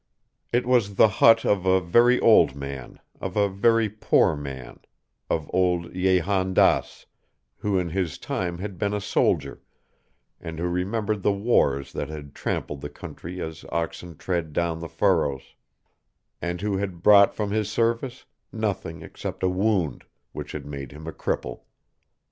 It was the hut of a very old man, of a very poor man of old Jehan Daas, who in his time had been a soldier, and who remembered the wars that had trampled the country as oxen tread down the furrows, and who had brought from his service nothing except a wound, which had made him a cripple.